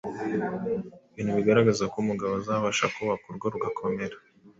ibintu bigaragaza ko umugabo azabasha kubaka urugo rugakomera